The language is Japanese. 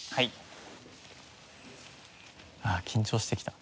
ああ緊張してきた。